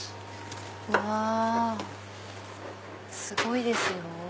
すごいですよ。